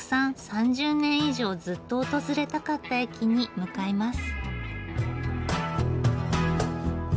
３０年以上ずっと訪れたかった駅に向かいます。